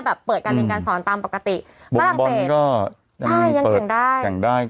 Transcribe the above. แบบเปิดการเรียนการสอนปรากฏิวงธ์อย่างได้